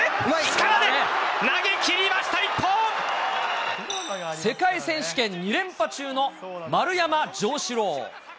力で投げ切りました、一本！世界選手権２連覇中の丸山城志郎。